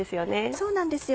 そうなんですよ。